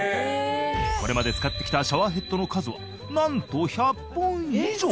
これまで使ってきたシャワーヘッドの数はなんと１００本以上！